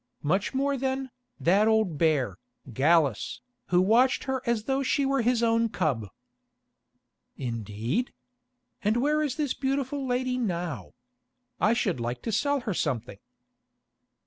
Much more then, that old bear, Gallus, who watched her as though she were his own cub." "Indeed? And where is this beautiful lady now? I should like to sell her something."